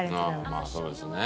まあそうですね。